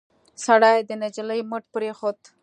سړي د نجلۍ مټ پرېښود.